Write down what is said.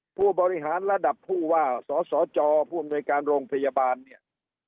ผู้บริหารระดับผู้ว่าสสจผู้อำนวยการโรงพยาบาลเนี่ย